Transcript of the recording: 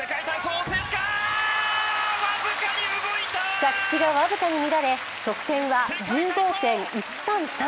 着地が僅かに乱れ、得点は１５．１３３。